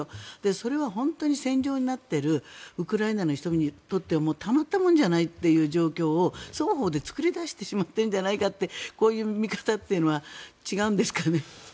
それは本当に戦場になっているウクライナの人々にとってはたまったもんじゃないという状況を双方で作り出してしまってるんじゃないかというこういう見方というのは違うんですかね？